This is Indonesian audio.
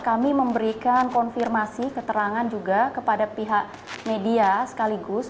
kami memberikan konfirmasi keterangan juga kepada pihak media sekaligus